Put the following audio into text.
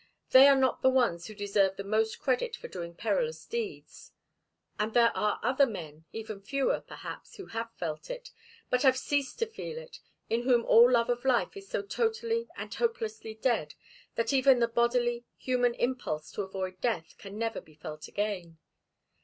They are not the ones who deserve the most credit for doing perilous deeds. And there are other men, even fewer, perhaps, who have felt it, but have ceased to feel it, in whom all love of life is so totally and hopelessly dead that even the bodily, human impulse to avoid death can never be felt again.